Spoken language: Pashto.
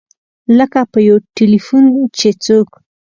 لکه په یو ټیلفون چې څوک.